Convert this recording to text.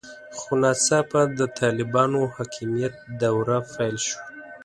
خو ناڅاپه د طالبانو حاکمیت دوره پیل شوه.